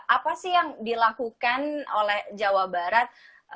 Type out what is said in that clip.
apa sih yang dilakukan oleh jawa barat